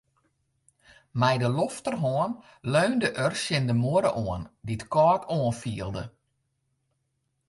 Mei de lofterhân leunde er tsjin de muorre oan, dy't kâld oanfielde.